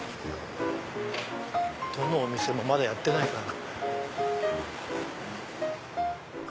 どのお店もまだやってないかな。